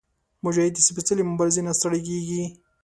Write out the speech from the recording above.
مجاهد د سپېڅلې مبارزې نه ستړی کېږي.